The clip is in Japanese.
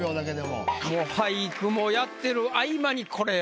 もう俳句もやってる合間にこれを。